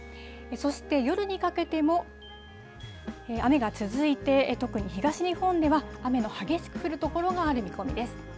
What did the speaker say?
そして、夜にかけても雨が続いて、特に東日本では、雨の激しく降る所がある見込みです。